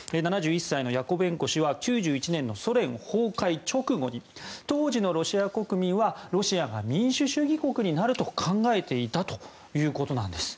７１歳のヤコベンコ氏は９１年のソ連崩壊直後に当時のロシア国民はロシアが民主主義国になると考えていたということです。